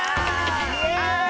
イエーイ！